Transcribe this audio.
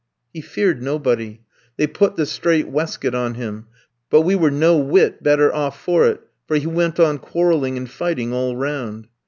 He feared nobody. They put the strait waistcoat on him; but we were no whit better off for it, for he went on quarreling and fighting all round.